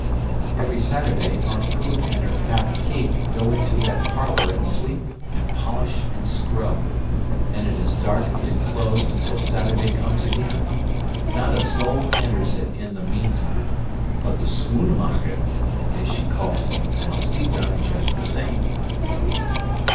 Every Saturday Aunt Poot and her fat Kate go into that parlor and sweep and polish and scrub; then it is darkened and closed until Saturday comes again; not a soul enters it in the meantime; but the schoonmaken, as she calls it, must be done just the same."